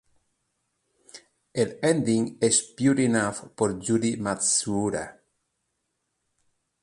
El ending es "Pure Enough", por Yuki Matsuura.